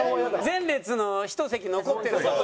前列の１席残ってるから。